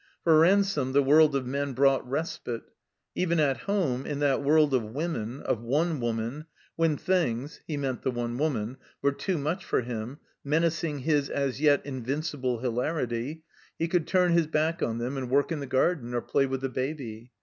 For Ransome the world of men brought respite. Even at home, in that world of women, of one woman, when things (he meant the one woman) were too much for him, menacing his as yet invincible hilarity, he could turn his back on them, and work in the garden or play with the Baby.